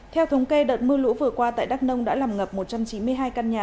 theo thống kê đợt mưa lũ vừa qua tại đắk nông đã làm ngập một trăm chín mươi hai căn nhà